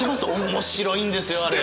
面白いんですよあれ。